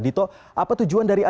dito apa tujuan dari